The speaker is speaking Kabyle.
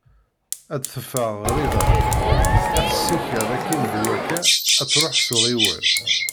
Ad d-teffeɣ ɣriba, ad tessiked akin d wakka, ad truḥ s uɣiwel.